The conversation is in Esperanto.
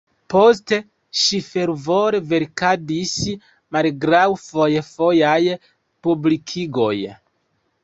Poste ŝi fervore verkadis malgraŭ fojfojaj publikigoj.